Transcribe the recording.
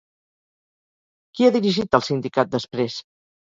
Qui ha dirigit el sindicat després?